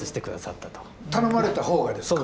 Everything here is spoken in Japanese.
頼まれた方がですか？